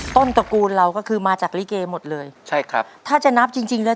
ตระกูลเราก็คือมาจากลิเกหมดเลยใช่ครับถ้าจะนับจริงจริงแล้ว